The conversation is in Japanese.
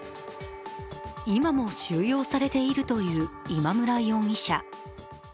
今も収容されているという今村容疑者。